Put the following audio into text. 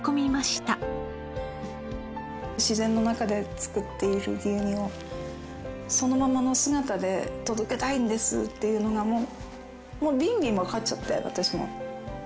自然の中で作っている牛乳をそのままの姿で届けたいんですっていうのがもうビンビンわかっちゃって私も。